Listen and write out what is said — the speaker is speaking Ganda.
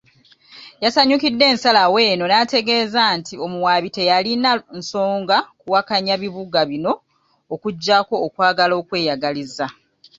Yasanyukidde ensalawo eno n'ategeeza nti omuwaabi teyalinaamu nsonga kuwakanya bibuga bino okuggyako okwagala okweyagaliza.